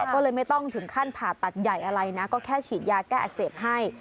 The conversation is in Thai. ก็เลยไม่ต้องถึงขั้นผ่าตัดใหญ่อะไรนะก็แค่ฉีดยาแก้อักเสบให้